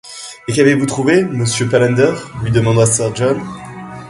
Et qu’avez-vous trouvé, monsieur Palander? lui demanda sir John.